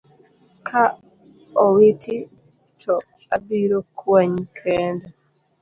Ka owiti to abiro kwanyi kenda.